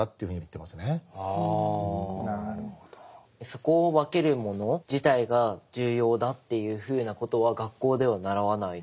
そこを分けるもの自体が重要だっていうふうなことは学校では習わない。